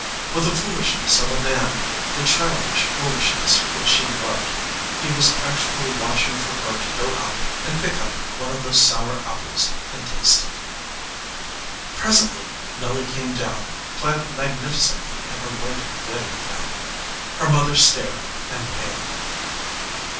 With the foolishness of a man, the childish foolishness which she loved, he was actually watching for her to go out and pick up one of those sour apples and taste it. Presently Nelly came down, clad magnificently in her white wedding gown. Her mother stared and paled.